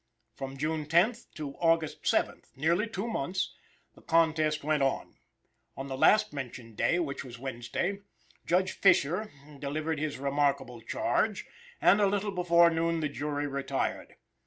From June 10th to August 7th nearly two months the contest went on. On the last mentioned day, which was Wednesday, Judge Fisher delivered his remarkable charge, and a little before noon the jury retired.